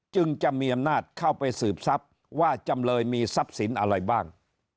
จึงจะมีอำนาจเข้าไปสืบทรัพย์ว่าจำเลยมีทรัพย์สินอะไรบ้าง